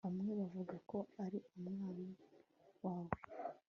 bamwe bavuga ko ari umunwa wawe